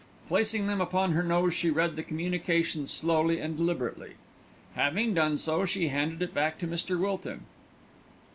Placing them upon her nose she read the communication slowly and deliberately. Having done so she handed it back to Mr. Wilton.